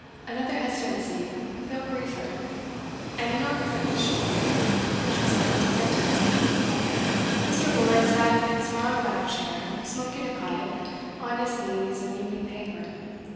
Another hesitancy, though briefer, and he knocked for admission, which was at once granted. Mr. Lord sat in his round backed chair, smoking a pipe, on his knees an evening paper.